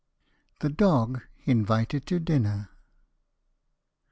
THE DOG INVITED TO DINNER.